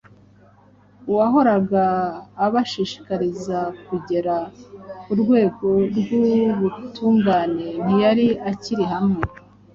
Uwahoraga abashishikariza kugera ku rwego rw’ubutungane ntiyari akiri hamwe